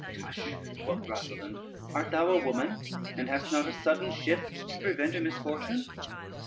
"Tush," quoth Rosalynde, "art thou a woman, and hast not a sudden shift to prevent a misfortune?